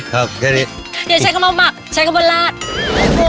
ใช้เข้ามาหมักใช้เข้ามาลาด